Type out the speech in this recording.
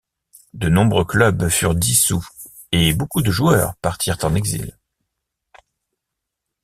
De nombreux clubs furent dissous et beaucoup de joueurs partirent en exil.